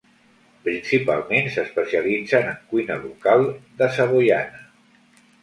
Principalment s'especialitzen en cuina local de Savoiana.